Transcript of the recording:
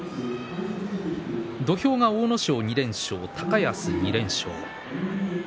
土俵が阿武咲２連勝高安２連勝です。